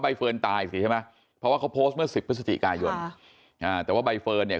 เฟิร์นตายสิใช่ไหมเพราะว่าเขาโพสต์เมื่อสิบพฤศจิกายนแต่ว่าใบเฟิร์นเนี่ย